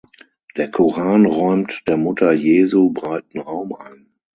Der Koran räumt der Mutter Jesu breiten Raum ein.